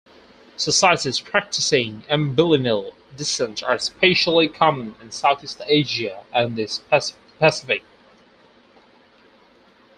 Societies practicing ambilineal descent are especially common in Southeast Asia and the Pacific.